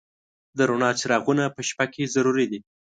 د رڼا څراغونه په شپه کې ضروري دي.